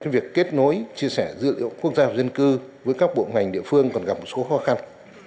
việc kết nối chia sẻ dữ liệu quốc gia và dân cư với các bộ ngành địa phương còn gặp một số khó khăn